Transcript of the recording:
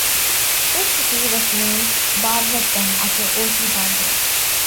This city was named Barberton after O. C. Barber.